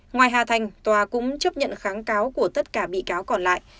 ngoài hà thành tòa cũng chấp nhận kháng cáo của tất cả bị cáo còn lại